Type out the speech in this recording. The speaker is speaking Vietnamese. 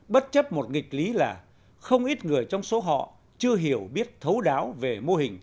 bất chấp một nghịch lý là không ít người trong số họ chưa hiểu biết thấu đáo về mô hình